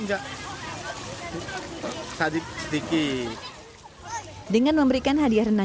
renang gratis penyelamat berhasil menghasilkan renang yang dapat dihasilkan